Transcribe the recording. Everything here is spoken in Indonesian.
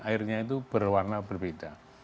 airnya itu berwarna berbeda